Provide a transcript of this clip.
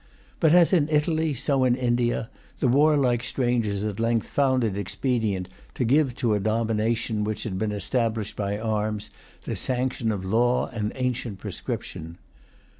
But as in Italy, so in India, the warlike strangers at length found it expedient to give to a domination which had been established by arms the sanction of law and ancient prescription.